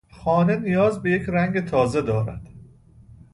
خانه نیاز به یک رنگ تازه دارد.